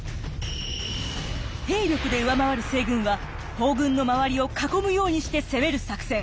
兵力で上回る西軍は東軍の周りを囲むようにして攻める作戦。